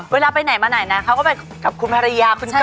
เวลาไปไหนมาไหนนะเขาก็ไปกับคุณภรรยาคุณชาย